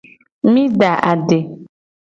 Mi da ade.